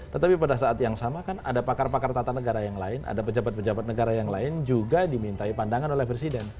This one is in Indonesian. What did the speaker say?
tetapi pada saat yang sama kan ada pakar pakar tata negara yang lain ada pejabat pejabat negara yang lain juga dimintai pandangan oleh presiden